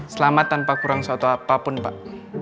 selamat tanpa kurang suatu apapun pak